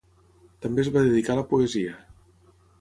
També es va dedicar a la poesia.